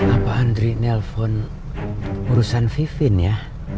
apa andri nelfon urusan vivin ya